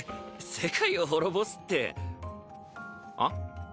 世界を滅ぼすってうん？